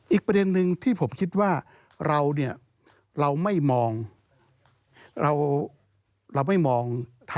อีกประเด็นหนึ่งที่ผมคิดว่าเราเนี่ยเราไม่มอง